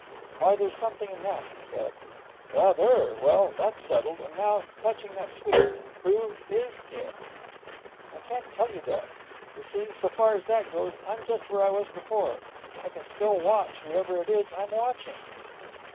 'Why, there's something in that,' he said. 'Rather! Well, that's settled. And now, touching that sweep, who is it?' 'I can't tell you that. You see, so far as that goes, I'm just where I was before. I can still watch whoever it is I'm watching.'